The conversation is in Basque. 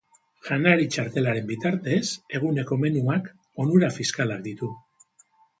Janari-txartelaren bitartez, eguneko menuak onura fiskalak ditu.